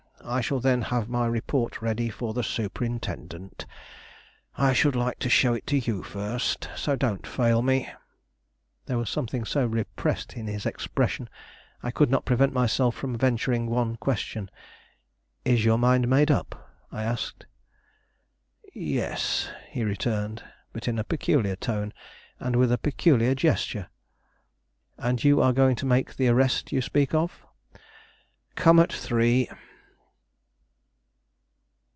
I shall then have my report ready for the Superintendent. I should like to show it to you first, so don't fail me." There was something so repressed in his expression, I could not prevent myself from venturing one question. "Is your mind made up?" I asked. "Yes," he returned, but in a peculiar tone, and with a peculiar gesture. "And you are going to make the arrest you speak of?" "Come at three!"